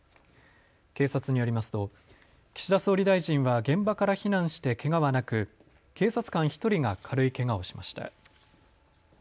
警察によりますと岸田総理大臣は現場から避難してけがはなく警察官１人が軽いけがをしました。